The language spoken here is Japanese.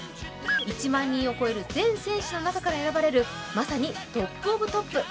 １万人を超える全選手の中から選ばれるまさにトップ・オブ・トップ。